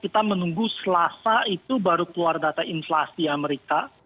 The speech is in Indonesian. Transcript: kita menunggu selasa itu baru keluar data inflasi amerika